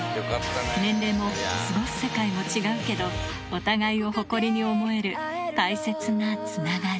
年齢も過ごす世界も違うけど、お互いを誇りに思える大切なつながり。